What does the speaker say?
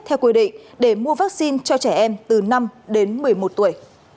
theo quy định để mua vaccine cho trẻ em từ năm đến một mươi một tuổi